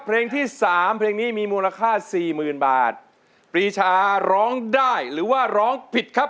เพลงที่สามเพลงนี้มีมูลค่าสี่หมื่นบาทปรีชาร้องได้หรือว่าร้องผิดครับ